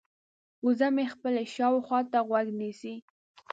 وزه مې خپلې شاوخوا ته غوږ نیسي.